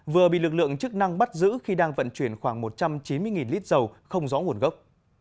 vừa bị lực lượng chức năng bắt giữ khi đang vận chuyển khoảng một trăm chín mươi lít dầu không rõ nguồn gốc